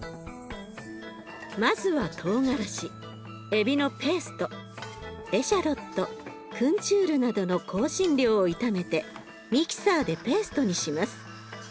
まずはトウガラシエビのペーストエシャロットクンチュールなどの香辛料を炒めてミキサーでペーストにします。